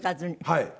はい。